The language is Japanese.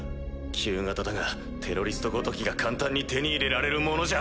旧型だがテロリストごときが簡単に手に入れられるものじゃない。